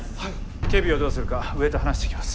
警備をどうするか上と話してきます。